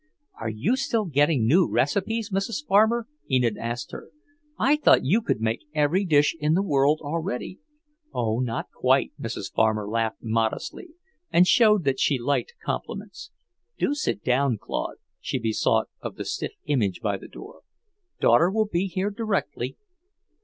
"Are you still getting new recipes, Mrs. Farmer?" Enid asked her. "I thought you could make every dish in the world already." "Oh, not quite!" Mrs. Farmer laughed modestly and showed that she liked compliments. "Do sit down, Claude," she besought of the stiff image by the door. "Daughter will be here directly."